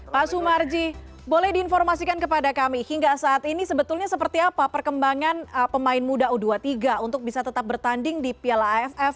pak sumarji boleh diinformasikan kepada kami hingga saat ini sebetulnya seperti apa perkembangan pemain muda u dua puluh tiga untuk bisa tetap bertanding di piala aff